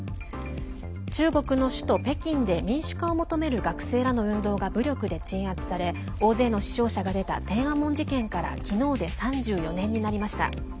中国の首都・北京で民主化を求める学生らの運動が武力で鎮圧され大勢の死傷者が出た天安門事件から昨日で３４年になりました。